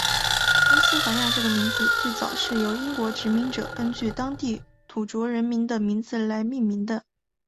乌斯怀亚这个名字最早是由英国殖民者根据当地土着居民的名字来命名的。